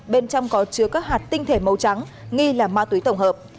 bên trong có chứa các hạt tinh thể màu trắng nghi là ma túy tổng hợp